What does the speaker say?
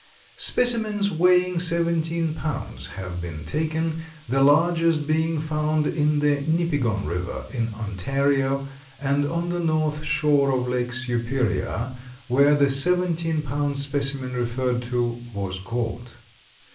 Specimens weighing seventeen pounds have been taken, the largest being found in the Nipigon River, in Ontario, and on the north shore of Lake Superior, where the seventeen pound specimen referred to was caught.